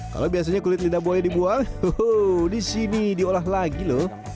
kalau biasanya kulit lidah buaya dibuang di sini diolah lagi loh